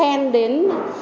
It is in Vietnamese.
vài lời khen đến